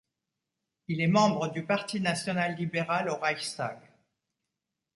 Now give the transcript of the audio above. Il est membre du parti national-libéral au Reichstag.